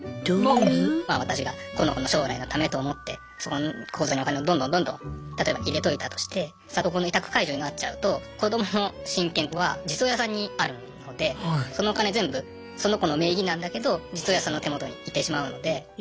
私がこの子の将来のためと思ってそこの口座にお金をどんどんどんどん例えば入れといたとして里子の委託解除になっちゃうと子どもの親権は実親さんにあるのでそのお金全部その子の名義なんだけど実親さんの手元に行ってしまうので。